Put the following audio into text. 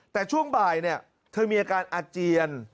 แต่ช่วงบ่ายเธอมีอาการอาเจียน